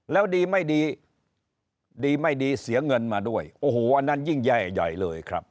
แล้วดีไม่ดีดีไม่ดีเสียเงินมาด้วยโอ้โหอันนั้นยิ่งแย่ใหญ่เลยครับ